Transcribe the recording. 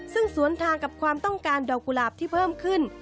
ซึ่งสวนทางกับความต้องการดอกกุหลาบที่เพิ่มขึ้น